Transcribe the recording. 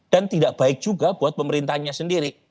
dan tidak baik juga buat pemerintahnya sendiri